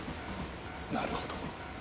なるほど。